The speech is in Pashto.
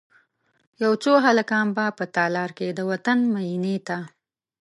یو څو هلکان به په تالار کې، د وطن میینې ته،